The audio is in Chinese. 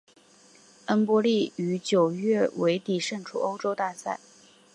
恩波利于九月尾底胜出欧洲大赛。